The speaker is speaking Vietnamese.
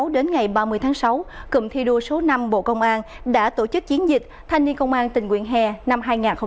đến ngày ba mươi tháng sáu cụm thi đua số năm bộ công an đã tổ chức chiến dịch thanh niên công an tình nguyện hè năm hai nghìn hai mươi ba